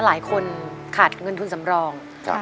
มันขาดเงินทุนสำรอง